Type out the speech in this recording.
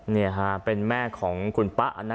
นี่ค่ะเป็นแม่ของคุณป๊ะ